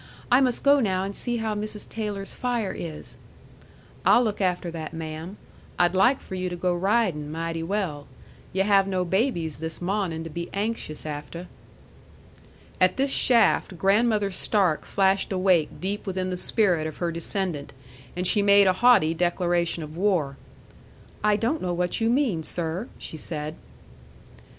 I must go now and see how Mrs. Taylor's fire is." "I'll look after that, ma'am. I'd like for yu' to go ridin' mighty well. Yu' have no babies this mawnin' to be anxious after." At this shaft, Grandmother Stark flashed awake deep within the spirit of her descendant, and she made a haughty declaration of war. "I don't know what you mean, sir," she said.